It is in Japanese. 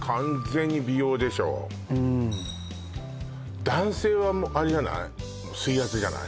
うん男性はあれじゃない？